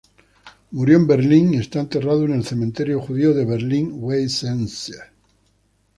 Murió en Berlín y está enterrado en el cementerio judío de Berlín-Weissensee.